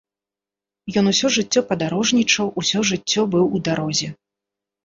Ён усё жыццё падарожнічаў, усё жыццё быў у дарозе.